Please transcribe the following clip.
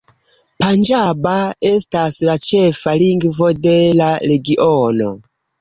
Panĝaba estas la ĉefa lingvo de la regiono.